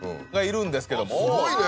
すごいね。